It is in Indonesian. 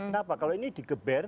kenapa kalau ini di geber